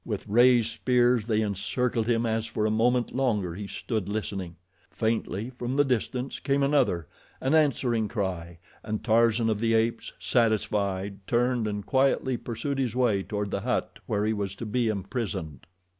With raised spears they encircled him as for a moment longer he stood listening. Faintly from the distance came another, an answering cry, and Tarzan of the Apes, satisfied, turned and quietly pursued his way toward the hut where he was to be imprisoned.